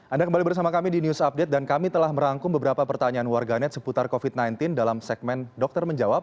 anda kembali bersama kami di news update dan kami telah merangkum beberapa pertanyaan warganet seputar covid sembilan belas dalam segmen dokter menjawab